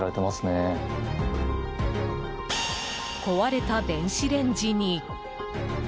壊れた電子レンジに。